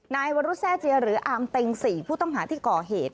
นายวรุษแทร่เจียหรืออามเต็ง๔ผู้ต้องหาที่ก่อเหตุ